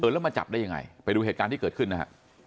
แล้วมาจับได้ยังไงไปดูเหตุการณ์ที่เกิดขึ้นนะฮะ